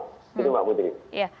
itu pak putri